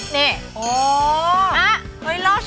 นี่เฮ้ยล็อชอ